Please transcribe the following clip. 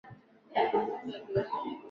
Sina Bwana mwingine ila wewe